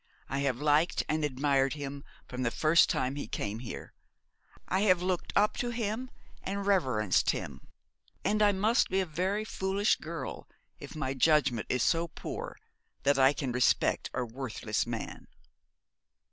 I have liked and admired him from the first time he came here. I have looked up to him and reverenced him; and I must be a very foolish girl if my judgment is so poor that I can respect a worthless man.'